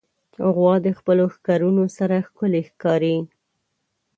غوا د خپلو ښکرونو سره ښکلي ښکاري.